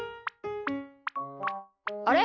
あれ？